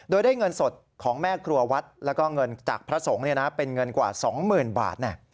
โดยได้เงินสดของแม่ครัววัดแล้วก็เงินจากพระสงฆ์เป็นเงินกว่า๒๐๐๐บาท